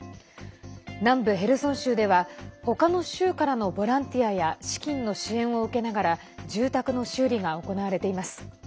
南部ヘルソン州では他の州からのボランティアや資金の支援を受けながら住宅の修理が行われています。